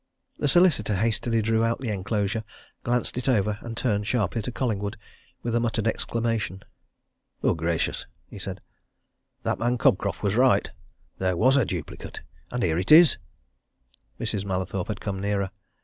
The solicitor hastily drew out the enclosure, glanced it over, and turned sharply to Collingwood with a muttered exclamation. "Good gracious!" he said. "That man Cobcroft was right! There was a duplicate! And here it is!" Mrs. Mallathorpe had come nearer.